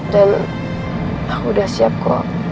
dan aku udah siap ko